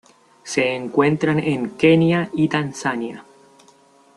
Se encuentran en Kenia y Tanzania.